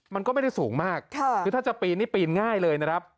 มันก็ไม่ได้สูงมากคือถ้าจะปีนนี่ปีนง่ายเลยนะครับ